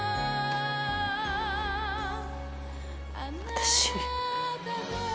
私。